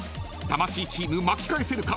［魂チーム巻き返せるか！？］